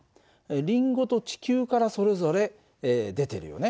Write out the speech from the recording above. リンゴと地球からそれぞれ出てるよね。